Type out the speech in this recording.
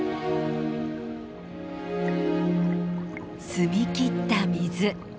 澄み切った水。